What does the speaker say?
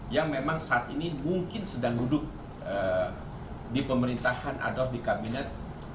yang memang saat ini mungkin sedang duduk di pemerintahan atau di kabinet